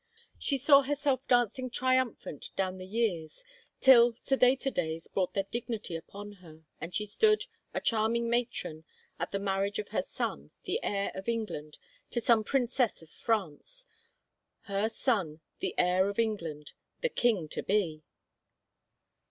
... She saw herself dancing triumphant down the years — till sedater days brought their dignity upon her and she stood, a charming matron, at the marriage of her son, the heir of England, to some 164 IN HEVER CASTLE princess of France — her son, the heir of England, the king to be!